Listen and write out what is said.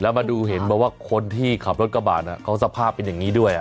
มาดูเห็นบอกว่าคนที่ขับรถกระบาดเขาสภาพเป็นอย่างนี้ด้วย